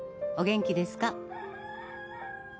お元気ですか？